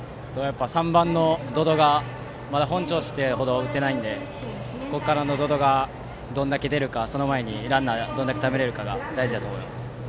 ３番の百々がまだ本調子って程打ってないのでここからの百々がどんだけ出るかその前にランナーをどれだけためられるかが大事だと思います。